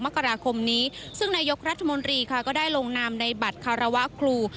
มกราคมนี้ซึ่งนายกรัฐมนตรีค่ะก็ได้ลงนามในบัตรคารวะครู